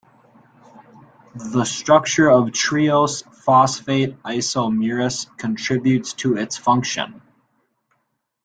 The structure of triose phosphate isomerase contributes to its function.